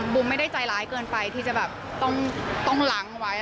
มูไม่ได้ใจร้ายเกินไปที่จะแบบต้องล้างไว้